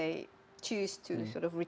untuk mengembalikan diri